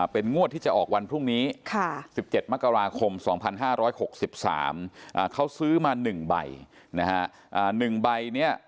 เป็นงวดที่จะออกวันพรุ่งนี้๑๗มกราคม๒๕๖๓เขาซื้อมา๑ใบนะฮะ๑ใบเนี่ย